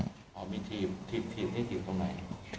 อ๋อมีทีบทีบที่ทีบตรงไหน